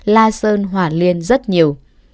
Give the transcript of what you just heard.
lightstone hòa liên rất nhiều